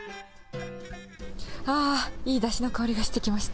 あー、いいだしの香りがしてきました。